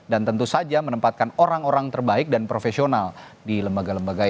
dan tentu saja menempatkan orang orang terbaik dan profesional di lembaga lembaga yang aktif